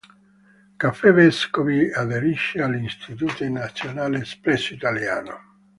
Caffè Vescovi aderisce all"'Istituto Nazionale Espresso Italiano".